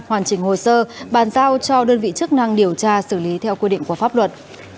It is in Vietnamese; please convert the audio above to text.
hoàn chỉnh hồ sơ bàn giao cho đơn vị chức năng điều tra xử lý theo quy định của pháp luật